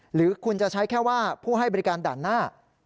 หรือคุณจะใช้แค่ว่าผู้ให้บริการด่านหน้า